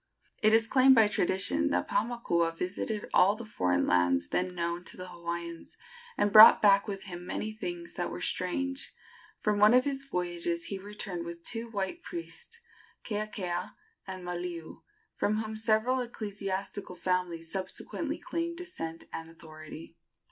It is claimed by tradition that Paumakua visited all the foreign lands then known to the Hawaiians, and brought back with him many things that were strange. From one of his voyages he returned with two white priests, Keakea and Maliu, from whom several ecclesiastical families subsequently claimed descent and authority.